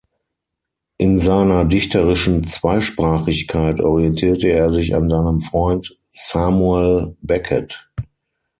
In seiner dichterischen Zweisprachigkeit orientierte er sich an seinem Freund Samuel Beckett.